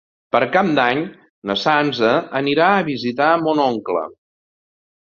Per Cap d'Any na Sança anirà a visitar mon oncle.